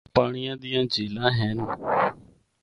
صاف پانڑیاں دیاں جھیلاں ہن۔